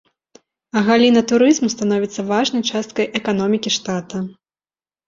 Галіна турызму становіцца важнай часткай эканомікі штата.